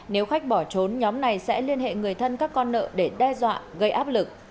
nếu khách bỏ trốn nhóm này sẽ liên hệ người thân các con nợ để đe dọa gây áp lực